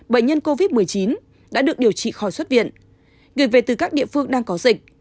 bệnh nhân covid một mươi chín đã được điều trị khỏi xuất viện gửi về từ các địa phương đang có dịch